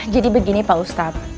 jadi begini pak ustadz